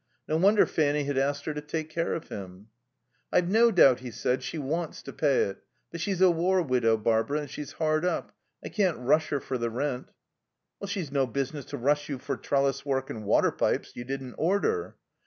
No wonder Fanny had asked her to take care of him. "I've no doubt," he said, "she wants to pay it; but she's a war widow, Barbara, and she's hard up. I can't rush her for the rent." "She's no business to rush you for trellis work and water pipes you didn't order."